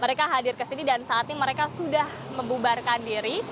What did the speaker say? mereka hadir ke sini dan saat ini mereka sudah membubarkan diri